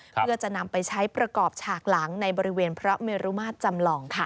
เพื่อจะนำไปใช้ประกอบฉากหลังในบริเวณพระเมรุมาตรจำลองค่ะ